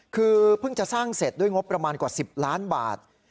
คือเพิ่งจะสร้างเสร็จด้วยงบประมาณกว่า๑๐ล้านบาท